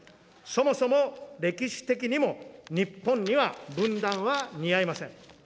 そもそも歴史的にも、日本には分断は似合いません。